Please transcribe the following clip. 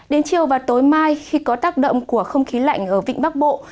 đến chiều và tối mai khi có tác động của không khí lạnh ở vịnh bắc bộ